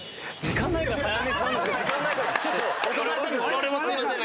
俺もすいません。